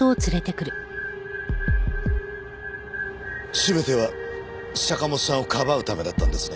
全ては坂元さんをかばうためだったんですね。